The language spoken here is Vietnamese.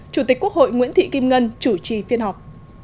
chủ tịch quốc hội nguyễn thị kim ngân chủ trì phiên họp